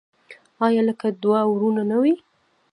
آیا لکه دوه ورونه نه وي؟